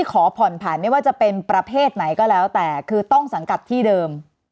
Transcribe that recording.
ขอผ่อนผันไม่ว่าจะเป็นประเภทไหนก็แล้วแต่คือต้องสังกัดที่เดิม